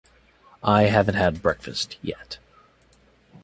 I haven’t had breakfast yet.